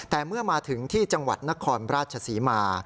แต่เมื่อมาถึงที่จังหวัดนครราชศรีมา